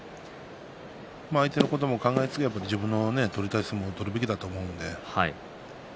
相手のことも考えながら自分の取りたい相撲を取るべきだと思うので。